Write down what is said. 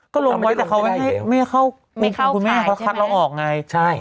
ก็ลงไว้แต่เขาไม่เข้าขายเพราะคัดเราออกไง